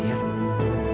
jangan sedih ya